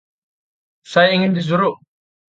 Saya ingin jus jeruk.